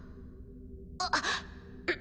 あっ。